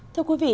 thưa quý vị